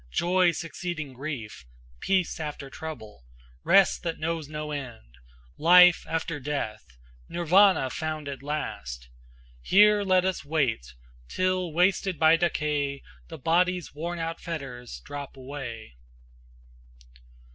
joy succeeding grief! Peace after trouble! rest that knows no end! Life after death! Nirvana found at last! Here let us wait till wasted by decay The body's worn out fetters drop away."